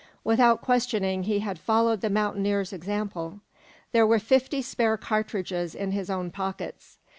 Without questioning, he had followed the mountaineer's example. There were fifty spare cartridges in his own pockets.